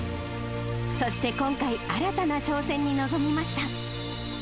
そして今回、新たな挑戦に臨みました。